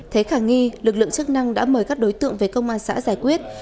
thế khả nghi lực lượng chức năng đã mời các đối tượng về công an xã giải quyết